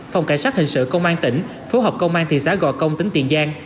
phòng cảnh sát hình sự công an tỉnh phố học công an thị xã gò công tỉnh tiền giang